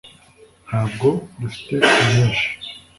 ntabwo dufite byinshi